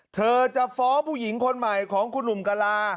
เธอจะฟ้องผู้หญิงคนใหม่ของคุณหนุ่มกะลา